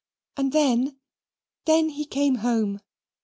And then then he came home.